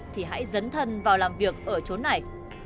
thì hãy dấn thân vào làm việc ở chỗ này